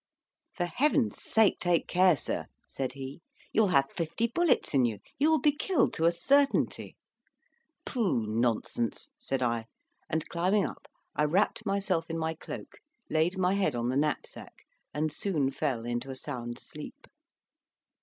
"For heaven's sake take care, sir," said he; "you'll have fifty bullets in you: you will be killed to a certainty." "Pooh, nonsense," said I, and climbing up, I wrapt myself in my cloak, laid my head on the knapsack, and soon fell into a sound sleep.